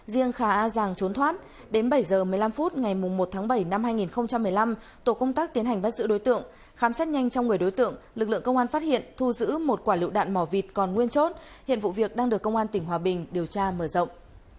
riêng khà a giàng trốn thoát đến bảy h một mươi năm phút ngày một tháng bảy năm hai nghìn một mươi năm tổ công tác tiến hành bắt giữ đối tượng khám xét nhanh trong người đối tượng lực lượng công an phát hiện thu giữ một quả lựu đạn mỏ vịt còn nguyên chốt hiện vụ việc đang được công an tỉnh hòa bình điều tra mở rộng